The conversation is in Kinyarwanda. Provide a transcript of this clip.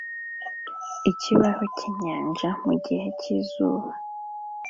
Ikibaho cyinyanja mugihe cyizuba